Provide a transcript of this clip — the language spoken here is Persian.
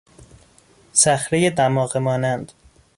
صخرهی دماغه مانند